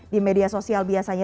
di media sosial biasanya